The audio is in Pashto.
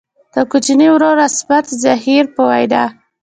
د کوچني ورور عصمت زهیر په وینا.